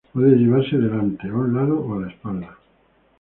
Puede llevarse delante, a un lado o a la espalda.